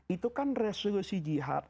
itu kan resolusi jihad